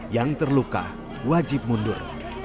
yang terluka wajib mundur